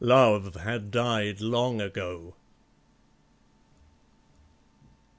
LOVE had died long ago.